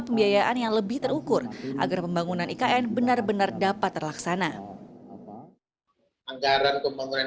pembiayaan yang lebih terukur agar pembangunan ikn benar benar dapat terlaksana anggaran pembangunan